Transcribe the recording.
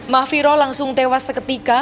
mafiro langsung tewas seketika